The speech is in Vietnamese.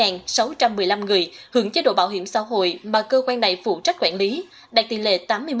một sáu trăm một mươi năm người hưởng chế độ bảo hiểm xã hội mà cơ quan này phụ trách quản lý đạt tỷ lệ tám mươi một